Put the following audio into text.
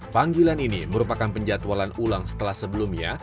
panggilan ini merupakan penjatualan ulang setelah sebelumnya